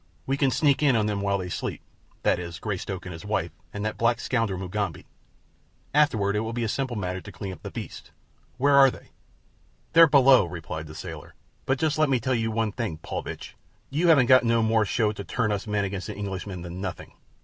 We can sneak in on them while they sleep—that is Greystoke, his wife, and that black scoundrel, Mugambi. Afterward it will be a simple matter to clean up the beasts. Where are they?" "They're below," replied the sailor; "but just let me tell you something, Paulvitch. You haven't got no more show to turn us men against the Englishman than nothing.